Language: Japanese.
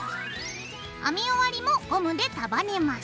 編み終わりもゴムで束ねます。